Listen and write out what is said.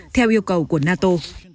theo yêu cầu của nato